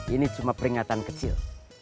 ini cuma peringatan kecil